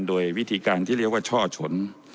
โดยวิธีการที่เรียกว่าช่อชน